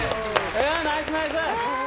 ナイスナイス！